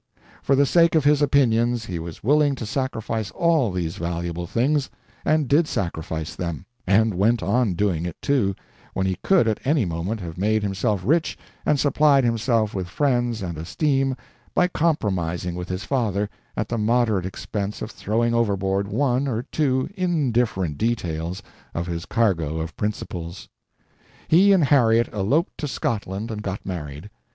For the sake of his opinions he was willing to sacrifice all these valuable things, and did sacrifice them; and went on doing it, too, when he could at any moment have made himself rich and supplied himself with friends and esteem by compromising with his father, at the moderate expense of throwing overboard one or two indifferent details of his cargo of principles. He and Harriet eloped to Scotland and got married.